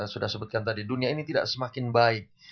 sudah sebutkan tadi dunia ini tidak semakin baik